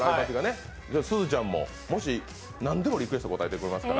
すずちゃんも、なんでもリクエストに応えてくれますから。